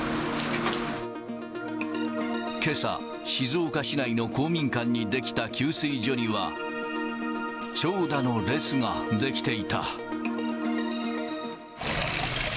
けさ、静岡市内の公民館に出来た給水所には、長蛇の列が出来ていた。